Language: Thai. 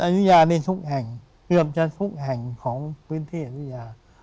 อันยาในทุกแห่งเกือบจะทุกแห่งของพื้นที่อันยา